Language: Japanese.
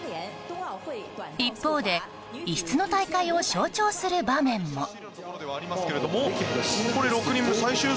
一方で、異質な大会を象徴する場面も。